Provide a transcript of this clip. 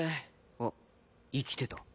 あっ生きてた。